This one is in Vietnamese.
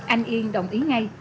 anh yên đồng ý ngay